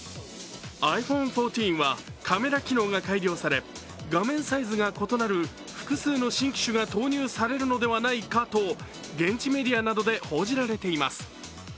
ｉＰｈｏｎｅ１４はカメラ機能が改良され画面サイズが異なる複数の新機種が投入されるのではないかと現地メディアなどで報じられています。